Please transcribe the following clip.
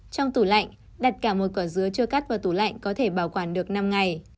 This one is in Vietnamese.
trong tủ lạnh đặt cả một quả dứa chưa cắt và tủ lạnh có thể bảo quản được năm ngày